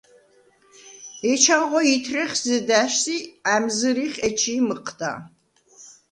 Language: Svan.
ეჩანღო ითრეხ ზედა̈შს ი ა̈მზჷრიხ ეჩი̄ მჷჴდა.